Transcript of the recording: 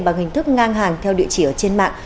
bằng hình thức ngang hàng theo địa chỉ ở trên mạng